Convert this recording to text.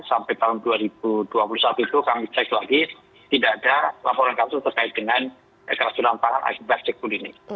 sampai tahun dua ribu dua puluh satu itu kami cek lagi tidak ada laporan kasus terkait dengan keracunan tangan akibat cekul ini